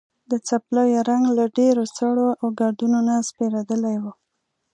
د څپلیو رنګ له ډېرو سړو او ګردونو نه سپېرېدلی و.